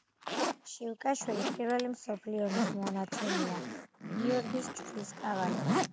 შიუკაშვილი პირველი მსოფლიო ომის მონაწილეა, გიორგის ჯვრის კავალერი.